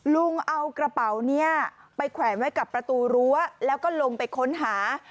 ลุงเอากระเป๋านี้ไปแขวนไว้กับประตูรั้วแล้วก็ลงไปค้นหา